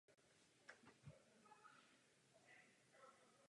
Nachází se na severozápadě Trutnova.